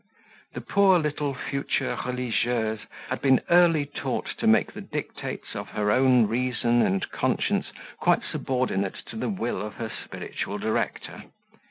The poor little future religieuse had been early taught to make the dictates of her own reason and conscience quite subordinate to the will of her spiritual director.